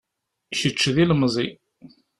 Kečč d ilemẓi.